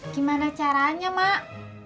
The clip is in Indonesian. gimana caranya mak